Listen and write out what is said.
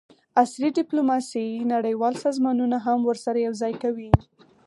عصري ډیپلوماسي نړیوال سازمانونه هم ورسره یوځای کوي